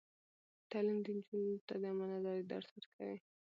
تعلیم نجونو ته د امانتدارۍ درس ورکوي.